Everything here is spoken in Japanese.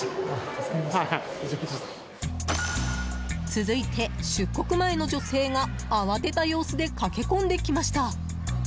続いて、出国前の女性が慌てた様子で駆け込んできました。